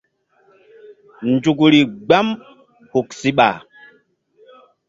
Nzukri gbam huk siɓa.